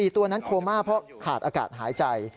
ตัวนั้นโคม่าเพราะขาดอากาศหายใจ